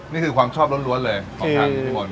นี่คือความชอบล้วนเลยของท่านพี่มนต์